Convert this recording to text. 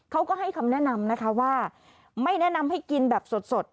เขาก็ให้คำแนะนำนะคะว่าไม่แนะนำให้กินแบบสด